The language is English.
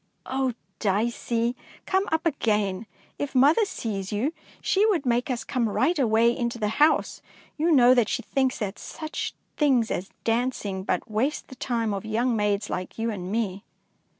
Oh, Dicey, come up again! If mother sees you, she would make us come right away into the house; you know that she thinks that such things as dancing but waste the time of young maids like you and me."